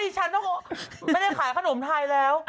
ด้านที่นี่ท้องก็ไม่ได้ขายขนมไทยแล้ว